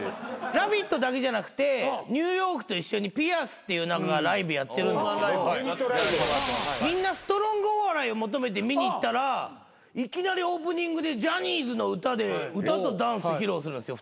『ラヴィット！』だけじゃなくてニューヨークと一緒に『ピアス』っていう何かライブやってるんですけどみんなストロングお笑いを求めて見に行ったらいきなりオープニングでジャニーズの歌で歌とダンス披露するんすよ